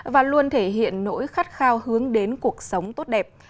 và luôn thể hiện nỗi khát khao hướng đến cuộc sống tốt đẹp